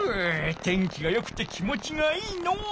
天気がよくて気持ちがいいのう！